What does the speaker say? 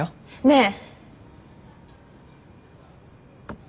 ねえ！